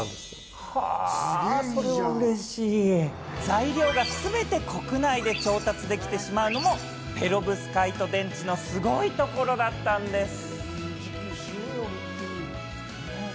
材料がすべて国内で調達できてしまうのも、ペロブスカイト電池のすごいところだったんです。